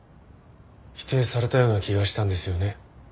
否定されたような気がしたんですよね